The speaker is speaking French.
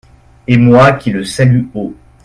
Et moi qui le salue haut.